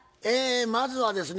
まずはですね